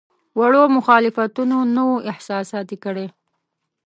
وړو مخالفتونو نه وو احساساتي کړی.